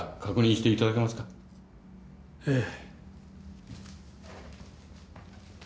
ええ。